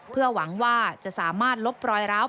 เพื่อหวังว่าจะสามารถลบปลอยร้าวภายในภรรยากาศ